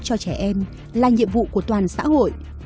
phòng chống đuối nước cho trẻ em là nhiệm vụ của toàn xã hội